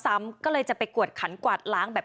ผมว่าน่าจะเกิดเวลาที่น่าจะบินทะบาท